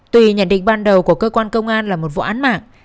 tuy nhận định ban đầu của cơ quan công an là một vụ án mạng